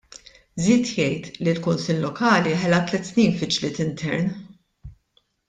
Żied jgħid li l-Kunsill Lokali ħela tliet snin fi ġlied intern.